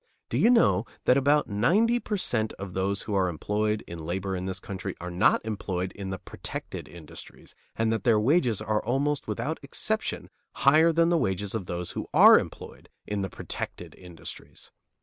Do you know that about ninety per cent. of those who are employed in labor in this country are not employed in the "protected" industries, and that their wages are almost without exception higher than the wages of those who are employed in the "protected" industries?